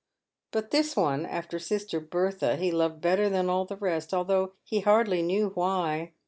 But this one, after Sister Bertha, he loved better than all the rest — though he hardly knew why.